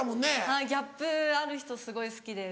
はいギャップある人すごい好きです。